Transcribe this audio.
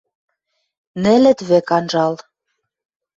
Нӹлӹт вӹк анжал: